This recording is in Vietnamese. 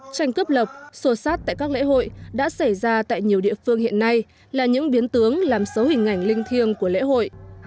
tranh cướp lọc sô sát tại các lễ hội đã xảy ra tại nhiều địa phương hiện nay là những biến tướng làm xấu hình ảnh linh thiêng của lễ hội